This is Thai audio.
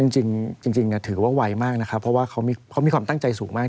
จริงถือว่าไวมากนะครับเพราะว่าเขามีความตั้งใจสูงมาก